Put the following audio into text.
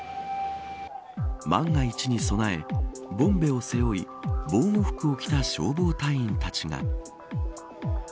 万が一に備えボンベを背負い防護服を着た消防隊員たちが。